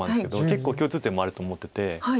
結構共通点もあると思ってて。